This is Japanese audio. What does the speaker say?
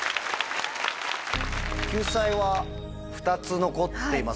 救済は２つ残っています。